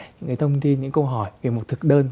những thông tin những câu hỏi về một thực đơn